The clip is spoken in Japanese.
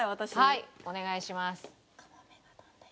はいお願いします。